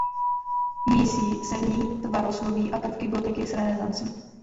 Mísí se v ní tvarosloví a prvky gotiky s renesancí.